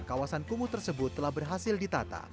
kawasan kumuh tersebut telah berhasil ditata